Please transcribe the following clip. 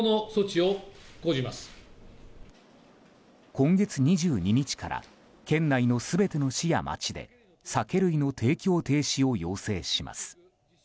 今月２２日から県内の全ての市や町で酒類の提供停止を要請します。